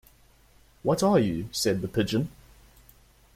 What are you?’ said the Pigeon.